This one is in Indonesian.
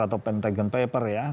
atau pentagon paper ya